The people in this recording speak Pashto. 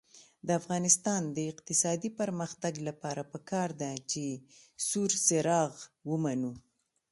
د افغانستان د اقتصادي پرمختګ لپاره پکار ده چې سور څراغ ومنو.